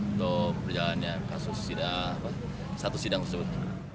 untuk berjalannya kasus satu sidang tersebut